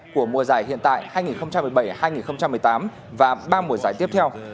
của mùa giải hiện tại hai nghìn một mươi bảy hai nghìn một mươi tám và ba mùa giải tiếp theo